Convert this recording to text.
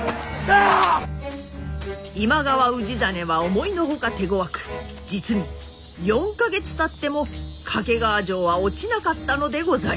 今川氏真は思いの外手ごわく実に４か月たっても懸川城は落ちなかったのでございます。